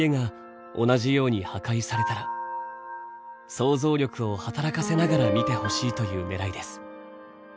想像力を働かせながら見てほしいというねらいです。